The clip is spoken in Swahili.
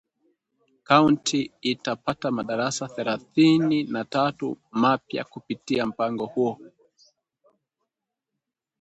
kaunti itapata madarasa thelathini na tatu mapya kupitia mpango huo